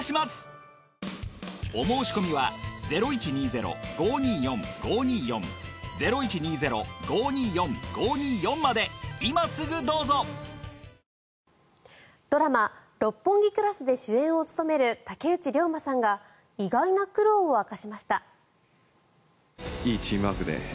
田中容疑者は今年２月名古屋市内のホテルでドラマ「六本木クラス」で主演を務める竹内涼真さんが意外な苦労を明かしました。